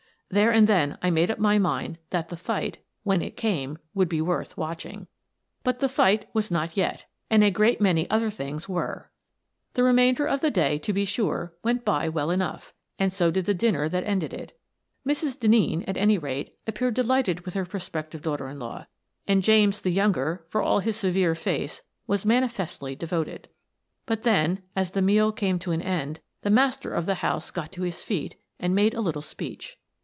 There and then I made up my mind that the fight, when it came, would be worth watching. But the fight was not yet — and a great many Brotherly Hate 23 BSSB other things were. The remainder of the day, to be sure, went by well enough, and so did the dinner that ended it. Mrs. Denneen, at any rate, appeared delighted with her prospective daughter in law, and James the younger, for all his severe face, was manifestly devoted. But then, as the meal came to an end, the master of the house got to his feet and made a little speech.